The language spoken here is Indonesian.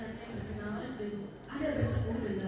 oke ini ada yang tertutup